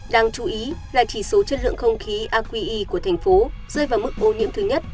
đáng chú ý là chỉ số chất lượng không khí aqi của thành phố rơi vào mức ô nhiễm thứ nhất